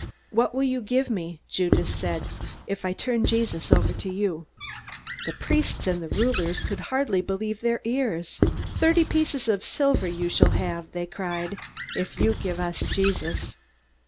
"What will you give me," Judas said, "if I turn Jesus over to you?" The priests and rulers could hardly believe their ears. "Thirty pieces of silver you shall have," they cried, "if you give us Jesus!"